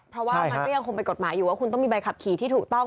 เพราะว่ามันก็ยังคงเป็นกฎหมายอยู่ว่าคุณต้องมีใบขับขี่ที่ถูกต้อง